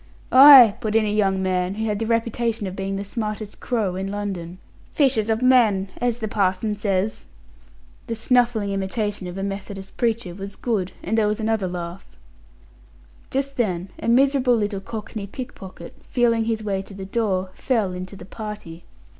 "Ay," put in a young man, who had the reputation of being the smartest "crow" (the "look out" man of a burglars' gang) in London "'fishers of men,' as the parson says." The snuffling imitation of a Methodist preacher was good, and there was another laugh. Just then a miserable little cockney pickpocket, feeling his way to the door, fell into the party.